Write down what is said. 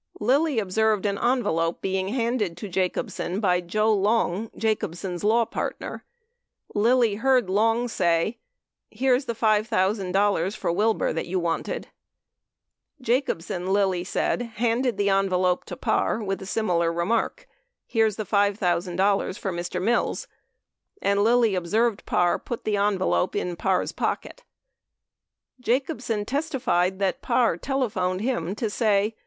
Lilly observed an envelope being handed to Jacobsen by Joe Long, Jacobsen's law partner. Lilly heard Long say, "here is the $5,000 for Wilbur that you wanted. ..." 25 Jacobsen, Lilly said, handed the envelope to Parr with a similar remark: "[HJere's the $5,000 for Mr. Mills," 26 and Lilly observed Parr put the envelope in Parr's pocket. Jacobsen testified that Parr telephoned him to say